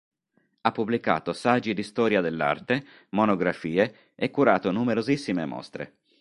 Ha pubblicato saggi di storia dell'arte, monografie e curato numerosissime mostre.